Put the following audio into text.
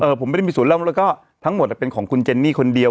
ผมไม่ได้มีส่วนร่วมแล้วก็ทั้งหมดเป็นของคุณเจนนี่คนเดียว